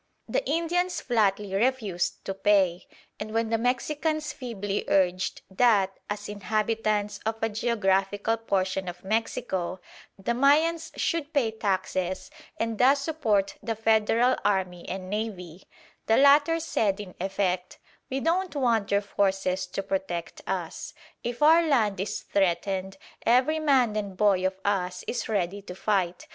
The Indians flatly refused to pay, and when the Mexicans feebly urged that, as inhabitants of a geographical portion of Mexico, the Mayans should pay taxes and thus support the Federal Army and Navy, the latter said in effect, "We don't want your forces to protect us. If our land is threatened, every man and boy of us is ready to fight.